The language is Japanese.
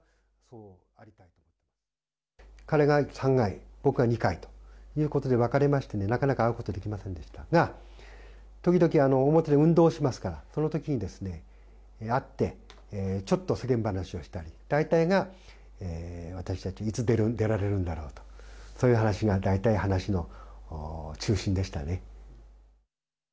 彼が３階、僕は２階ということで分かれましてねなかなか会うことができませんでしたが時々、表で運動しますからその時にですね会ってちょっと世間話をしたり大体が私たちいつ出られるんだろうとそういう話が大体、話の中心でしたね。